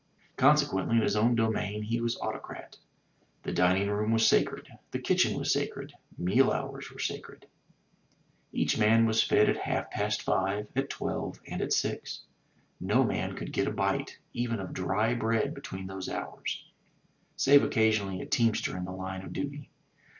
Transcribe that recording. Consequently, in his own domain he was autocrat. The dining room was sacred, the kitchen was sacred, meal hours were sacred. Each man was fed at half past five, at twelve, and at six. No man could get a bite 131 MY BOOK HOUSE even of dry bread between those hours, save occasionally a team ster in the line of duty.